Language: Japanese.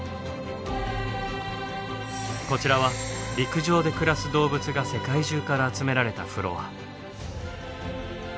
こちらは陸上で暮らす動物が世界中から集められたフロア。